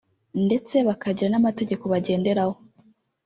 ndetse bakagira n’amategeko bagenderaho